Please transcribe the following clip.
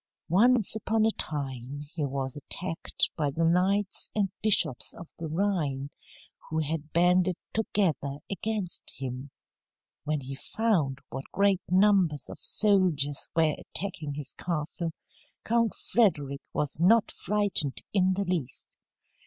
Once upon a time he was attacked by the knights and bishops of the Rhine, who had banded together against him. When he found what great numbers of soldiers were attacking his castle, Count Frederick was not frightened in the least.